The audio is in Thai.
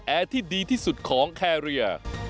ที่ดีที่สุดของแคเรีย